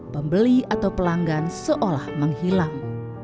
pembeli atau pelanggan seolah menghilang